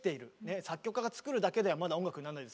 作曲家が作るだけではまだ音楽になんないですから。